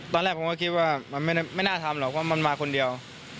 ตอนแรกผมก็คิดว่ามันไม่น่าทำหรอกเพราะมันมาคนเดียว